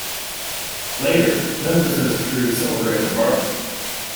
Later, Memphis and his crew celebrate at a barbeque.